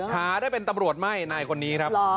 หาได้เป็นตำรวจไม่ในคนนี้